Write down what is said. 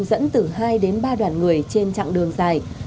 dẫn từ hai đến ba đoàn người trên chặng đường dài